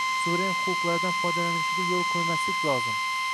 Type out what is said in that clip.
Suveren huquqlaridan foydalanishiga yo’l qo’ymaslik lozim.